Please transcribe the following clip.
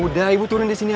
udah ibu turun disini aja